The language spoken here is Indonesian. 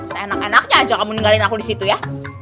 seenak enaknya aja kamu ninggalin aku disitu ya